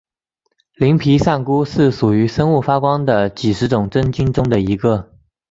鳞皮扇菇是属于生物发光的几十种真菌中的一个。